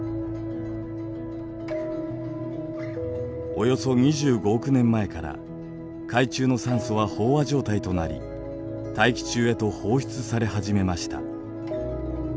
およそ２５億年前から海中の酸素は飽和状態となり大気中へと放出され始めました。